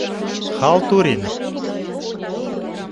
Халтурин.